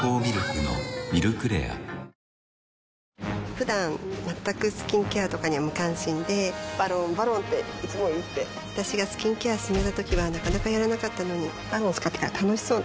ふだん全くスキンケアとかに無関心で「ＶＡＲＯＮ」「ＶＡＲＯＮ」っていつも言って私がスキンケア勧めたときはなかなかやらなかったのに「ＶＡＲＯＮ」使ってから楽しそうだよね